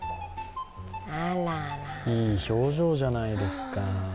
いい表情じゃないですか。